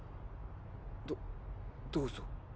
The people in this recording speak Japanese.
どどうぞ。